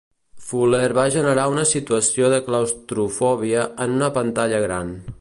Fuller va generar una situació de claustrofòbia en una pantalla gran.